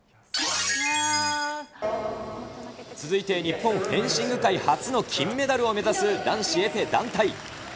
続いて日本フェンシング界初の金メダルを目指す男子エペ団体。